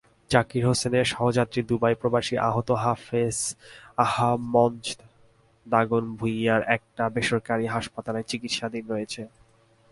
জাকির হোসেনের সহযাত্রী দুবাইপ্রবাসী আহত হাফেজ আহমঞ্চদ দাগনভূঞার একটি বেসরকারি হাসপাতালে চিকিৎসাধীন রয়েছেন।